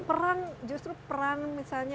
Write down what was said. perang justru perang misalnya